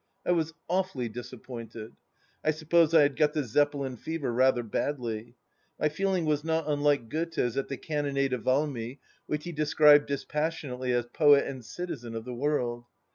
I was awfully dis appointed. I suppose I had got the Zeppelin fever rather badly. My feeling was not unlike Goethe's at the cannonade of Valmy, which he described dispassionately as poet and citizen of the world.